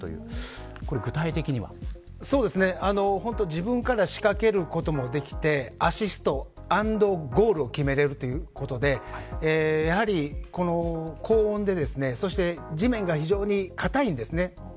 自分から仕掛けることもできてアシストアンドゴールを決められるということでやはり、高温で地面が非常に固いんですね。